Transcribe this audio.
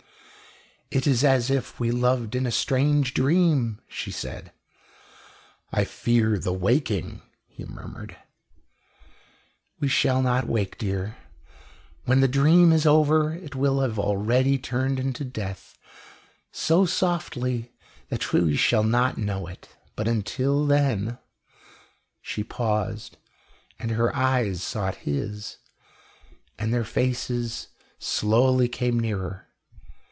"It is as if we loved in a strange dream," she said. "I fear the waking," he murmured. "We shall not wake, dear when the dream is over it will have already turned into death, so softly that we shall not know it. But until then " She paused, and her eyes sought his, and their faces slowly came nearer.